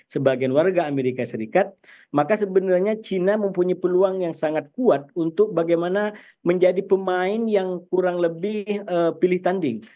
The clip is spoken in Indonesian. sebagian warga amerika serikat maka sebenarnya china mempunyai peluang yang sangat kuat untuk bagaimana menjadi pemain yang kurang lebih pilih tanding